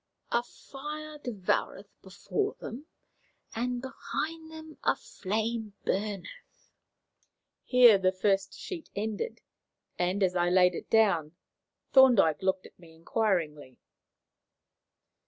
"'A fire devoureth before them, and behind them a flame burneth.'" Here the first sheet ended, and, as I laid it down, Thorndyke looked at me inquiringly.